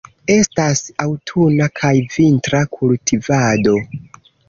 Estas aŭtuna kaj vintra kultivado.